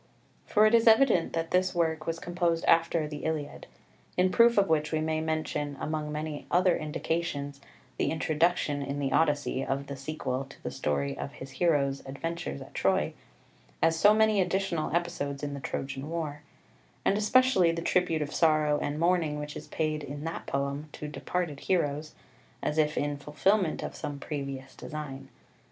For it is evident that this work was composed after the Iliad, in proof of which we may mention, among many other indications, the introduction in the Odyssey of the sequel to the story of his heroes' adventures at Troy, as so many additional episodes in the Trojan war, and especially the tribute of sorrow and mourning which is paid in that poem to departed heroes, as if in fulfilment of some previous design.